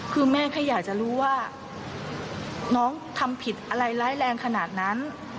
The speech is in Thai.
คือแม่แค่อยากจะรู้ว่าน้องทำผิดอะไรร้ายแรงขนาดนั้น